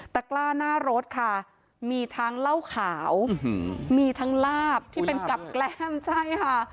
กล้าหน้ารถค่ะมีทั้งเหล้าขาวมีทั้งลาบที่เป็นกับแกล้มใช่ค่ะ